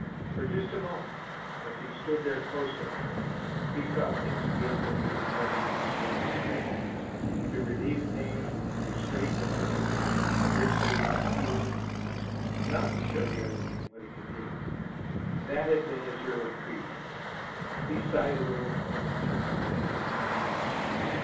For just a moment, as he stood there close to her, he saw things again with the eyes of his young faith: to relieve pain, to straighten the crooked, to hurt that he might heal, not to show the other men what he could do, that had been his early creed. He sighed a little as he turned away.